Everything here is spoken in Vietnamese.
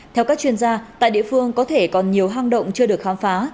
theo các chuyên gia tại địa phương có thể còn nhiều hang động chưa được khám phá